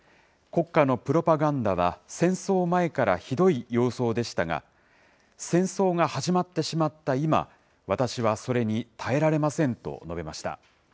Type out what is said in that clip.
国家のプロパガンダは戦争前からひどい様相でしたが、戦争が始まってしまった今、私はそれに耐えられませんと述べました。